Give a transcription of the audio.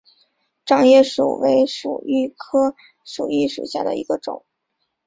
掌叶薯为薯蓣科薯蓣属下的一个种。